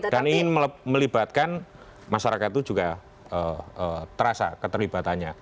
dan ingin melibatkan masyarakat itu juga terasa keterlibatannya